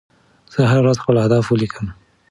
زه هره ورځ خپل اهداف ولیکم.